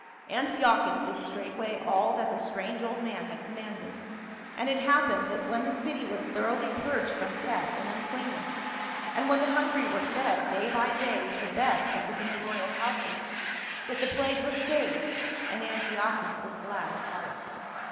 " Antiochus did straightway all that the strange old man had commanded ; and it happened that when the city was thoroughly purged from death and unclean ness, and when the hungry were fed day by day with the best that was in the royal houses, that the plague was stayed, and Antiochus was glad at heart.